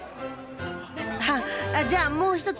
あじゃあもう一つ